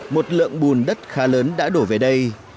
một lượng bùn đất khá lớn đã đổ về đây